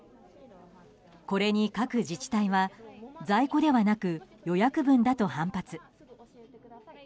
これに各自治体は在庫ではなく予約分だと反発。